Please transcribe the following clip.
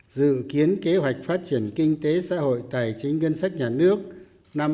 dự kiến kế hoạch phát triển kinh tế xã hội tài chính gân sách nhà nước năm hai nghìn một mươi tám